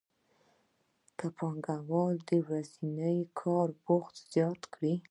که پانګوال د ورځني کار وخت زیات کړي